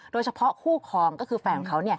โดยเฉพาะคู่ครองก็คือแฟนของเขา